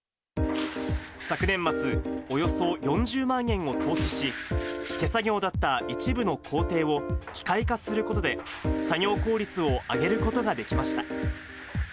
昨年末、およそ４０万円を投資し、手作業だった一部の工程を機械化することで、作業効率を上げることができました。